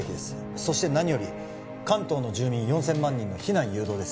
そして何より関東の住民４０００万人の避難誘導です